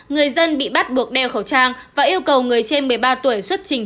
người dân bị bắt buộc đeo khẩu trang và yêu cầu người trên một mươi ba tuổi xuất trình